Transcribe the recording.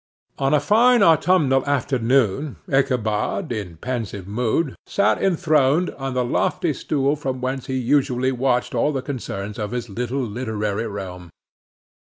On a fine autumnal afternoon, Ichabod, in pensive mood, sat enthroned on the lofty stool from whence he usually watched all the concerns of his little literary realm.